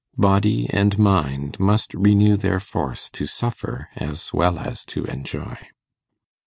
Body and mind must renew their force to suffer as well as to enjoy.